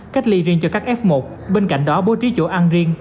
cách ly riêng cho các f một bên cạnh đó bố trí chỗ ăn riêng